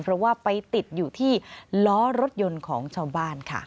เพราะว่าไปติดอยู่ที่ล้อรถยนต์ของชาวบ้านค่ะ